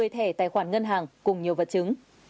một mươi thẻ tài khoản ngân hàng cùng nhiều vật chứng